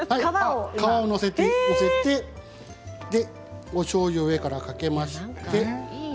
皮を載せておしょうゆを上からかけまして。